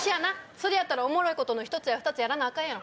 それやったらおもろいことの１つや２つやらなアカンやろ。